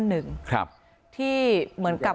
ด้านไข่ที่มันไม่ธรรมดา